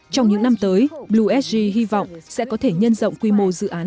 trong những năm tới bluesg hy vọng sẽ có thể nhân rộng quy mô dự án